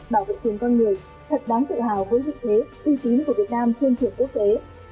bảo vệ quyền con người thật đáng tự hào với vị thế uy tín của việt nam trên trường quốc tế